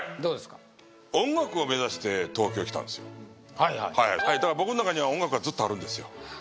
はいはいはいだから僕の中には音楽はずっとあるんですよははは